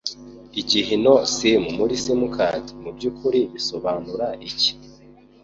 Igihino Sim muri "Sim Card" Mu by'ukuri bisobanura iki?